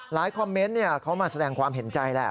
คอมเมนต์เขามาแสดงความเห็นใจแหละ